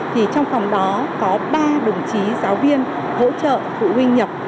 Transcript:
thì trong phòng đó có ba đồng chí giáo viên hỗ trợ phụ huynh nhập